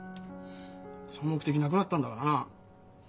その目的なくなったんだからな。